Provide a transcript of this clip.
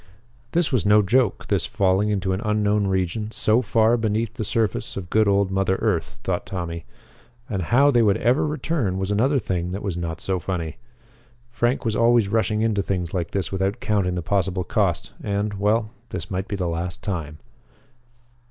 This was no joke, this falling into an unknown region so far beneath the surface of good old mother earth, thought Tommy. And how they would ever return was another thing that was not so funny. Frank was always rushing into things like this without counting the possible cost and well this might be the last time.